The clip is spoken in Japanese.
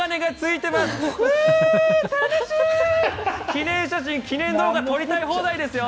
記念写真、記念動画撮りたい放題ですよ。